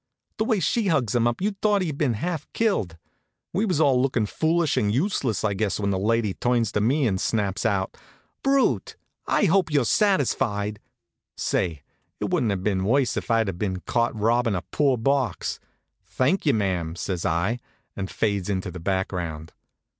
The way she hugs him up you'd thought he'd been half killed. We was all lookin' foolish and useless, I guess, when the lady turns to me and snaps out: "Brute! I hope you're satisfied!" Say, it wouldn't have been worse if I'd been caught robbin' a poor box. "Thank you, ma'am," says I, and fades into the background.